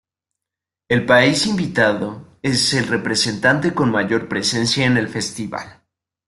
El país invitado es el representante con mayor presencia en el festival.